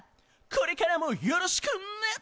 これからもよろしくね。